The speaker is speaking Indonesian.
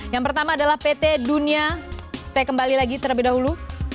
yang pertama adalah pt dunia saya kembali lagi terlebih dahulu